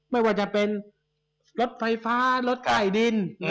ไม่ว่าจะเป็นรถไฟฟ้ารถใต้ดิน